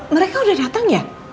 mereka udah datang ya